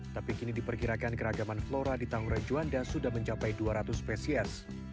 tapi kini diperkirakan keragaman flora di tangura juanda sudah mencapai dua ratus spesies